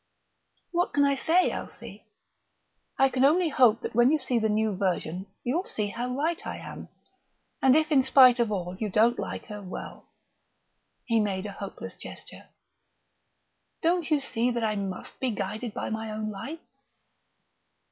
"What can I say, Elsie? I can only hope that when you see the new version, you'll see how right I am. And if in spite of all you don't like her, well ..." he made a hopeless gesture. "Don't you see that I must be guided by my own lights?"